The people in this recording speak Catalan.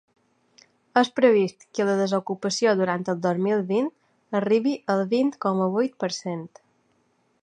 És previst que la desocupació durant el dos mil vint arribi al vint coma vuit per cent.